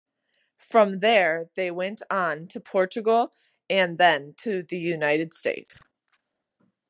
From there they went on to Portugal and then to the United States.